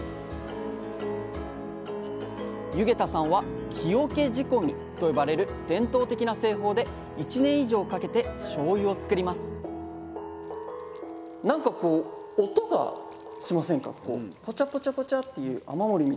弓削多さんは木桶仕込みと呼ばれる伝統的な製法で１年以上かけてしょうゆを造りますなんかこうあはい。